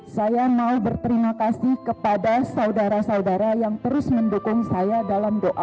saya mau berterima kasih kepada saudara saudara yang terus mendukung saya dalam doa